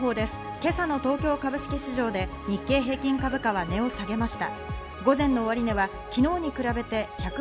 今朝の東京株式市場で日経平均株価は値を下げました。